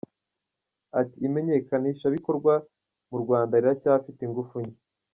Ati “Imenyekanishabikorwa mu Rwanda riracyafite ingufu nke.